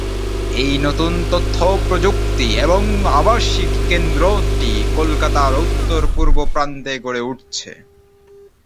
এই নতুন তথ্য প্রযুক্তি এবং আবাসিক কেন্দ্রটি কলকাতার উত্তর-পূর্ব প্রান্তে গড়ে উঠছে।